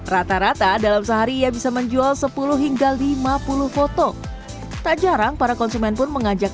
rata rata dalam sehari ia bisa menjual sepuluh hingga lima puluh foto tak jarang para konsumen pun mengajak